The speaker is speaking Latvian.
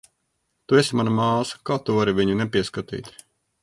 Tu esi mana māsa, kā tu vari viņu nepieskatīt?